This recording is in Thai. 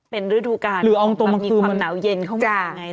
เป็นฤดูการมันมีความหนาวเย็นเข้ามาไง